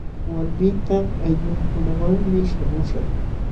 Walmiipaq ayllunkunawanmi śhamuśhaq.